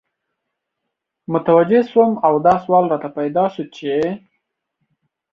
متوجه سوم او دا سوال راته پیدا سو چی